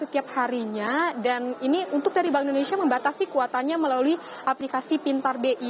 dan ini untuk dari bank indonesia membatasi kuotanya melalui aplikasi pintar bi